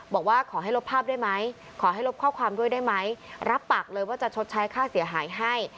บอกว่าขอให้ลบภาพได้ไหมขอให้ลบข้อความด้วยได้ไหมรับปากเลยว่าจะชดใช้ค่าเสียหายให้